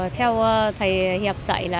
theo thầy hiệp dạy là